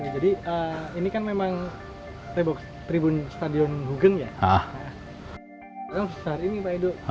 jadi ini kan memang tribun stadion hugen ya